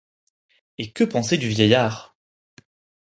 Et que penser du vieillard?